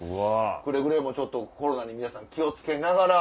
くれぐれもちょっとコロナに皆さん気を付けながら。